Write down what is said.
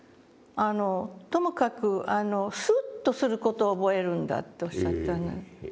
「ともかくスッとする事を覚えるんだ」っておっしゃったの。